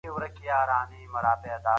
اقتصادي پرمختيا د سياسي ثبات زيږنده ده.